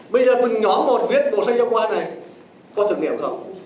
bây giờ từng nhóm một viết bộ sách giáo khoa này có thử nghiệm không